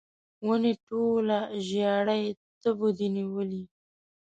ونې ټوله ژړۍ تبو دي نیولې